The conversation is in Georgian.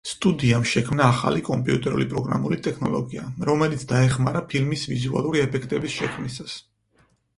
სტუდიამ შექმნა ახალი კომპიუტერული პროგრამული ტექნოლოგია, რომელიც დაეხმარა ფილმის ვიზუალური ეფექტების შექმნისას.